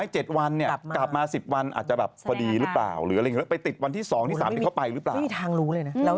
ใช่มันไม่มีทางรู้